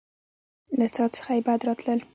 له څاه څخه يې بد راتلل.